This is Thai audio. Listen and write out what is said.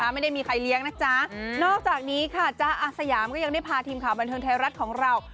ไม่ได้มีใครเลี้ยงนะจ๊ะนอกจากนี้ค่ะจ๊ะอาสยามก็ยังได้พาทีมข่าวบันเทิงไทยรัฐของเรา